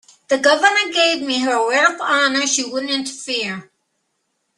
The Governor gave me her word of honor she wouldn't interfere.